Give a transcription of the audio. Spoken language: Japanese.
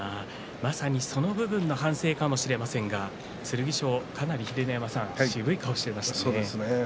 まさにその部分の反省かもしれませんが、剣翔がかなり渋い顔をしていましたね。